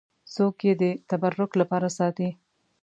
څوک یې د تبرک لپاره ساتي.